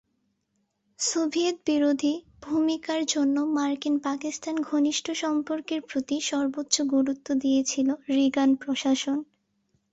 সোভিয়েতবিরোধী ভূমিকার জন্য মার্কিন-পাকিস্তান ঘনিষ্ঠ সম্পর্কের প্রতি সর্বোচ্চ গুরুত্ব দিয়েছিল রিগান প্রশাসন।